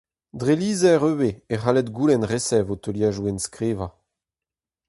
Dre lizher ivez e c'hallit goulenn resev ho teuliadoù enskrivañ.